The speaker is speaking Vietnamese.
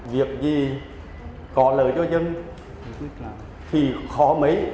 việc gì có lợi cho dân thì khó mấy